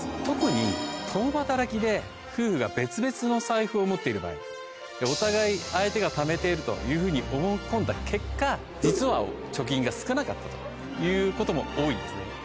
特に共働きで夫婦が別々の財布を持っている場合お互い相手が貯めているというふうに思い込んだ結果実は貯金が少なかったということも多いんですね。